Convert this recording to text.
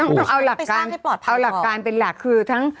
ต้องเอาหลักการเอาหลักการเป็นหลักคือทั้ง